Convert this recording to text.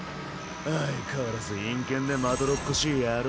相変わらず陰険でまどろっこしい野郎だ。